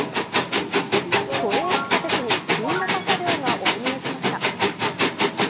都営地下鉄に新型車両がお目見えしました。